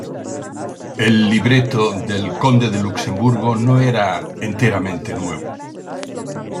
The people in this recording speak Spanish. El libreto del "Conde de Luxemburgo" no era enteramente nuevo.